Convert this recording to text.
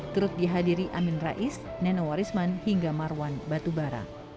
terus dihadiri amin rais neno warisman hingga marwan batubara